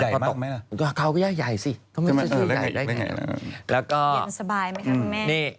ก็ตกเขาไปอย่ายายสิ